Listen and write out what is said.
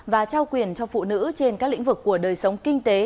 và trao quyền cho phụ nữ trên các lĩnh vực của đời sống kinh tế